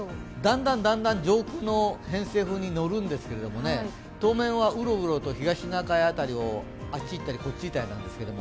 だんだん上空の偏西風に乗るんですけれども、当面はウロウロと東シナ海辺りをあっち行ったりこっち行ったりなんですけれども。